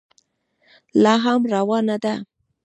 لا هم روانه ده.